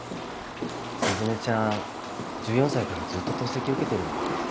鈴音ちゃん１４歳からずっと透析受けてるんだよね。